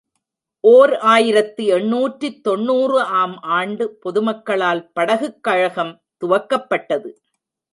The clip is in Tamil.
ஓர் ஆயிரத்து எண்ணூற்று தொன்னூறு ஆம் ஆண்டு பொதுமக்களால் படகுக் கழகம் துவக்கப்பட்டது.